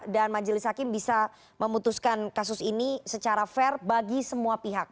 dan majelis hakim bisa memutuskan kasus ini secara fair bagi semua pihak